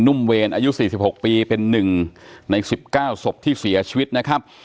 นุ่มเวรอายุสี่สิบหกปีเป็นหนึ่งในสิบเก้าศพที่เสียชีวิตนะครับ